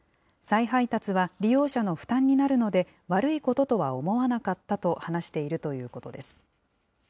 再配達は利用者の負担になるので、悪いこととは思わなかったと話しているということです。